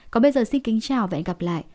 còn bây giờ xin kính chào và hẹn gặp lại